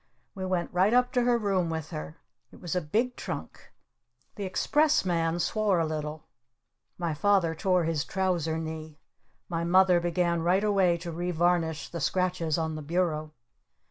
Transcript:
We went right up to her room with her. It was a big trunk. The Expressman swore a little. My Father tore his trouser knee. My Mother began right away to re varnish the scratches on the bureau.